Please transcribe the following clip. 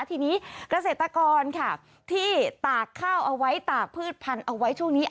ทีนี้เกษตรกรค่ะที่ตากข้าวเอาไว้ตากพืชพันธุ์เอาไว้ช่วงนี้